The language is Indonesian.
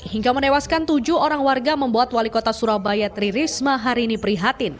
hingga menewaskan tujuh orang warga membuat wali kota surabaya tri risma hari ini prihatin